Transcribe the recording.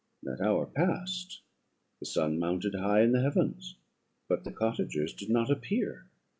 That hour passed, the sun mounted high in the heavens, but the cottagers did not appear.